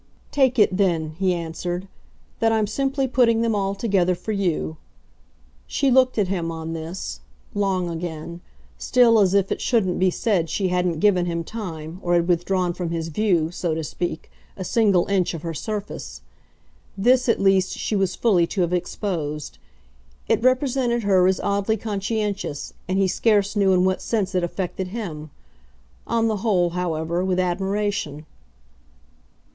"Take it then," he answered, "that I'm simply putting them all together for you." She looked at him, on this, long again still as if it shouldn't be said she hadn't given him time or had withdrawn from his view, so to speak, a single inch of her surface. This at least she was fully to have exposed. It represented her as oddly conscientious, and he scarce knew in what sense it affected him. On the whole, however, with admiration.